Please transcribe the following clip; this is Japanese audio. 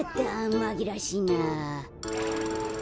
まぎらわしいな。